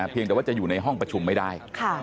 เพียงแต่ว่าจะอยู่ในห้องประชุมไม่ได้